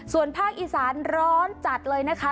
ส่วนภาคอีสานร้อนจัดเลยนะคะ